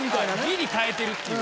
ギリ変えてるっていう。